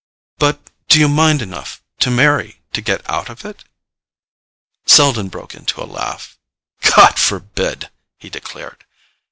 "But do you mind enough—to marry to get out of it?" Selden broke into a laugh. "God forbid!" he declared.